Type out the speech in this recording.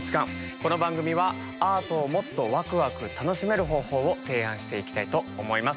この番組はアートをもっとワクワク楽しめる方法を提案していきたいと思います。